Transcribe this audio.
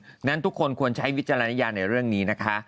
เพราะฉะนั้นทุกคนควรใช้วิจารณญาณในเรื่องนี้นะคะ